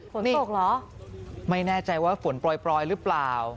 ฝนตกเหรอไม่แน่ใจว่าฝนปล่อยหรือเปล่า